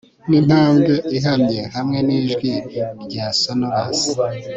Nintambwe ihamye hamwe nijwi rya sonorous